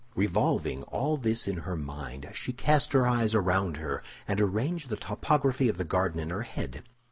Revolving all this in her mind, she cast her eyes around her, and arranged the topography of the garden in her head.